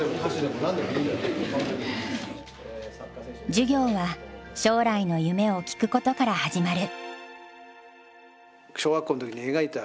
授業は将来の夢を聞くことから始まる。